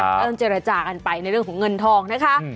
เริ่มเจรจากันไปในเรื่องของเงินทองนะคะ